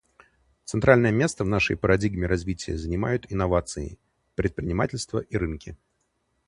Центральное место в нашей парадигме развития занимают инновации, предпринимательство и рынки.